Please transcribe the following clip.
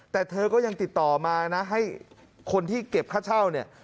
แต่เธอก็ยังติดต่อมานะให้คนที่เก็บค่าเช่าเนี่ย